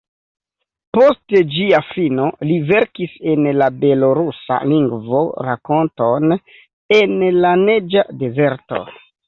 Post ĝia fino li verkis en la belorusa lingvo rakonton ""En la neĝa dezerto"".